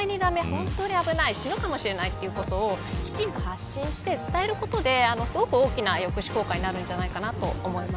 本当に危ない、死ぬかもしれないということをきちんと発信して伝えることですごく大きな抑止効果になるんじゃないかなと思います。